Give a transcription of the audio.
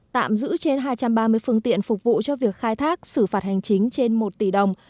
tạm giữ trên hai trăm ba mươi phương tiện phục vụ cho việc khai thác xử phạt hành chính trên một tỷ đồng